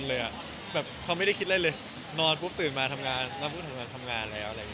เราก็ไม่ได้คิดเรื่อยนอนตื่นมาทำงานแล้วก็ทำงาน